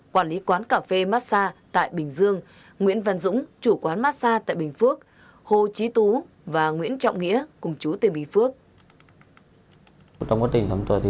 quản lý quán cà phê massa tại bình dương nguyễn văn dũng chủ quán massa tại bình phước hồ trí tú và nguyễn trọng nghĩa cùng chú tên bình phước